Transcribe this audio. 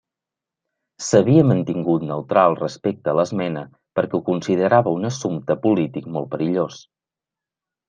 S'havia mantingut neutral respecte a l'esmena perquè ho considerava un assumpte polític molt perillós.